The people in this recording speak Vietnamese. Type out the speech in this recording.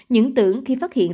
những tưởng khi phát hiện